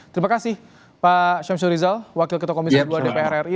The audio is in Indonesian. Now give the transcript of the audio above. terima kasih pak syamsul rizal wakil ketua komisi dua dpr ri